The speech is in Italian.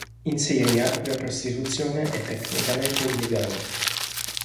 In Siria la prostituzione è tecnicamente illegale.